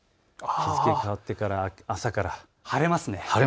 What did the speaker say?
日付変わって朝から晴れますね。